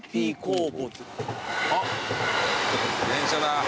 あっ電車だ。